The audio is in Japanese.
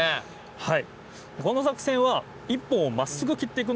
はい。